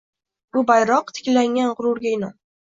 Bu bayrok, tiklangan g‘ururga in’om